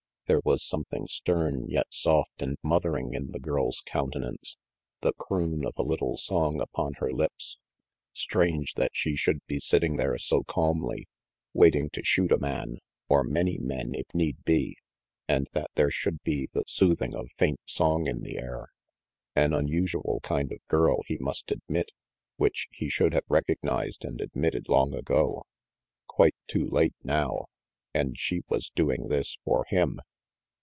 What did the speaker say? There was something stern, yet soft and mothering in the girl's countenance, the croon of a little song upon her lips. Strange, that she should be sitting there so calmly, waiting to shoot a man, or many men if need be, and that there should be the soothing of faint song in the air. An unusual kind of girl, he must admit, which he should have recognized and admitted long ago. Quite too late now. And she was doing this for him!